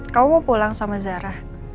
kamu mau pulang sama zarah